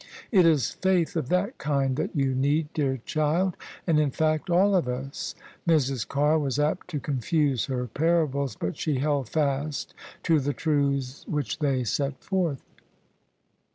It is faith of that kind that you need, dear child, and in fact all of us." Mrs. Carr was apt to confuse her parables: but she held fast to the truths which they set forth.